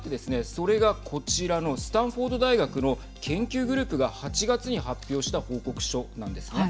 それがこちらのスタンフォード大学の研究グループが８月に発表した報告書なんですね。